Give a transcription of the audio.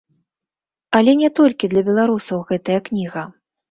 Але не толькі для беларусаў гэтая кніга.